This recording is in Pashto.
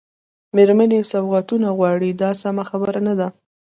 مېرمنې سوغاتونه غواړي دا سمه خبره نه ده.